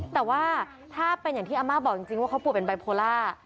แต่ว่าถ้าเป็นอย่างที่อาม่าบอกจริงว่าเขาป่วยเป็นไบโพล่า